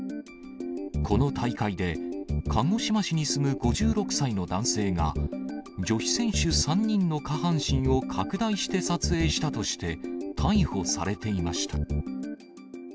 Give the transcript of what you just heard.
この大会で鹿児島市に住む５６歳の男性が、女子選手３人の下半身を拡大して撮影したとして、逮捕されていました。